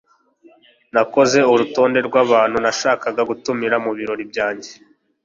nakoze urutonde rwabantu nashakaga gutumira mubirori byanjye